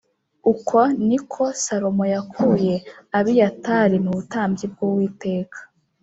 Uko ni ko Salomo yakuye Abiyatari mu butambyi bw’Uwiteka